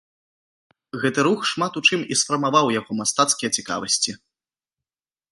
Гэты рух шмат у чым і сфармаваў яго мастацкія цікавасці.